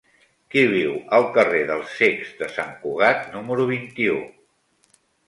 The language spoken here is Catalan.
Qui viu al carrer dels Cecs de Sant Cugat número vint-i-u?